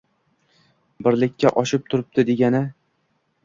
birlikka oshib turibdi degani. h